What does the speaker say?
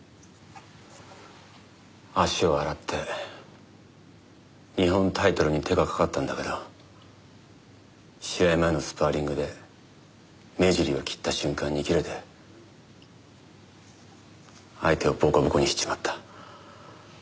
足を洗って日本タイトルに手がかかったんだけど試合前のスパーリングで目尻を切った瞬間にキレて相手をボコボコにしちまった。